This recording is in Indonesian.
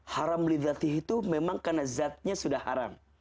haram li zatihi itu memang karena zatnya sudah haram